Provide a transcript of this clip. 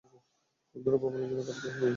বন্ধুরা, ভ্রমণের জন্য খারাপ সময় বেছে নিয়েছ তোমরা।